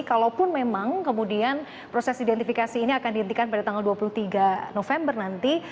kalaupun memang kemudian proses identifikasi ini akan dihentikan pada tanggal dua puluh tiga november nanti